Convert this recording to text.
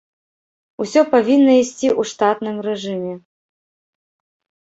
Усё павінна ісці ў штатным рэжыме.